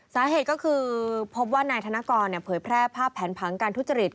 สาเหตุก็คือพบว่านายธนกรเผยแพร่ภาพแผนผังการทุจริต